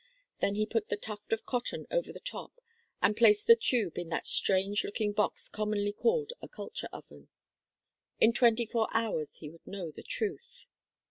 Then he put the tuft of cotton over the top and placed the tube in that strange looking box commonly called a culture oven. In twenty four hours he would know the truth.